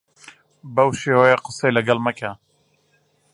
بەو شێوەیە قسەی لەگەڵ مەکە.